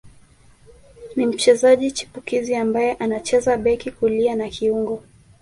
Ni mchezaji chipukizi ambaye anacheza beki kulia na kiungo